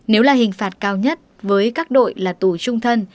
nếu là hình phạt cao nhất với các đội là tù trung thân